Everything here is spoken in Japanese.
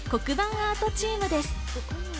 アートチームです。